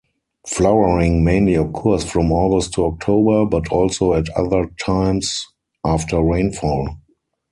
Flowering mainly occurs from August to October but also at other times after rainfall.